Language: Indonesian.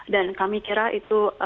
dan kami kira itu